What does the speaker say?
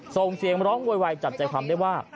ส่งเสียงร้องไวจับใจคำได้ว่า